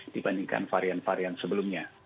dibandingkan varian varian sebelumnya